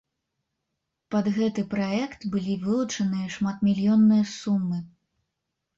Пад гэты праект былі вылучаныя шматмільённыя сумы.